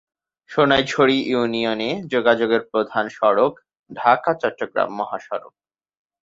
সোনাইছড়ি ইউনিয়নে যোগাযোগের প্রধান সড়ক ঢাকা-চট্টগ্রাম মহাসড়ক।